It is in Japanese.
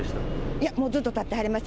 いや、もうずっと立ってはりました。